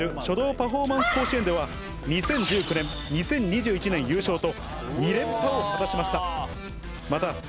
書道パフォーマンス甲子園では２０１９年２０２１年優勝と２連覇を果たしました。